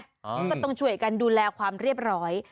ก็ต้องช่วยกันดูแลความเรียบร้อย